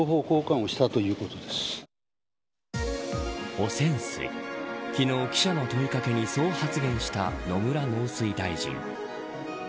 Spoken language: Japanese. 汚染水昨日、記者の問い掛けにそう発言した野村農水大臣。